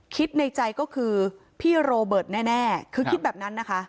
คิดในใจก็คือพี่โรเบิร์ตแน่คือคิดแบบนั้นนะคะ